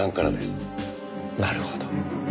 なるほど。